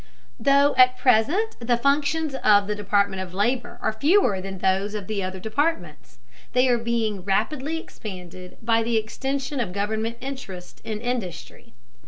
Though at present the functions of the Department of Labor are fewer than those of the other Departments, they are being rapidly expanded by the extension of government interest in industry.